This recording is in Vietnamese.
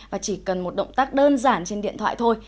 và chỉ cần một động tác đơn giản trên điện thoại thôi